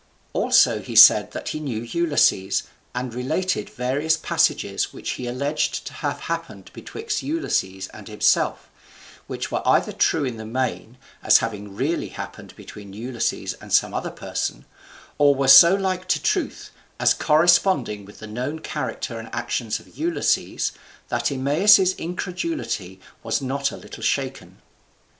Also he said that he knew Ulysses, and related various passages which he alleged to have happened betwixt Ulysses and himself, which were either true in the main, as having really happened between Ulysses and some other person, or were so like to truth, as corresponding with the known character and actions of Ulysses, that Eumaeus's incredulity was not a little shaken.